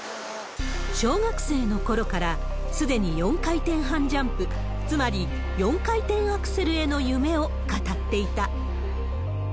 小学生のころから、すでに４回転半ジャンプ、つまり４回転アクセルへの夢を語っていた。